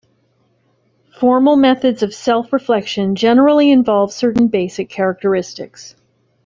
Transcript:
Formal methods of self-reflection generally involve certain basic characteristics.